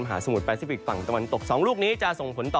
มหาสมุทรพานซิฟิกส์ฝั่งตรวนตก๒ลูกนี้จะส่งผลต่อ